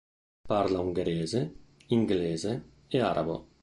Parla ungherese, inglese e arabo.